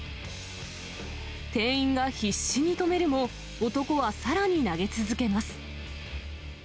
店員が必死に止めるも、男はさらに投げ続けます。